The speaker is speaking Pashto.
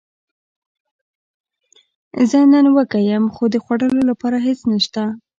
زه نن وږی یم، خو د خوړلو لپاره هیڅ نشته